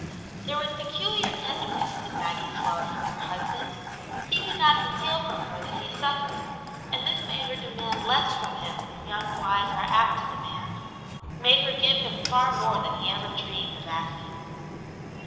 There was peculiar tenderness in Maggie's love for her husband ; he could not conceal from her that he suffered, and this made her demand less from him than you^ wives, are a^t to d<,t«v^^^\ 104 Aunt Janets Hero, made her give him far more than he ever dreamed of asking.